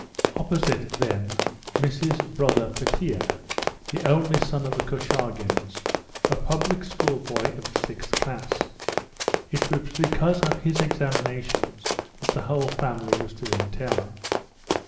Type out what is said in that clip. Opposite them, Missy's brother, Petia, the only son of the Korchagins, a public school boy of the Sixth Class. It was because of his examinations that the whole family were still in town.